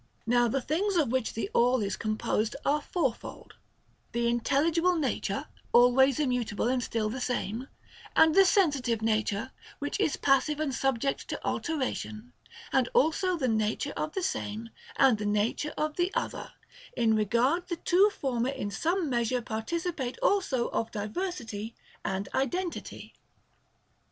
Now the things of which the All is composed are fourfold, — the intelligible nature, always immutable and still the same, and the sensitive nature, which is' passive and subject to alteration ; and also the nature of the Same, and the nature of the Other, in regard the two former in some measure participate also of diversity and identity.